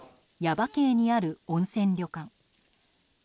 耶馬渓にある温泉旅館。